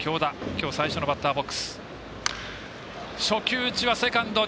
きょう最初のバッターボックス。